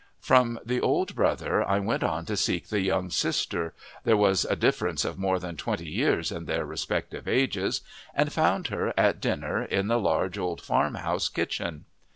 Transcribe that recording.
From the old brother I went on to seek the young sister there was a difference of more than twenty years in their respective ages and found her at dinner in the large old farm house kitchen.